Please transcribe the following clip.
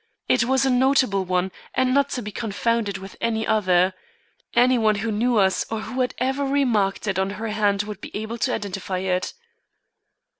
It was a notable one and not to be confounded with any other. Any one who knew us or who had ever remarked it on her hand would be able to identify it."